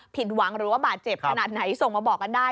ผิดหวังหรือว่าบาดเจ็บขนาดไหนส่งมาบอกกันได้